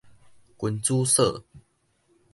君子鎖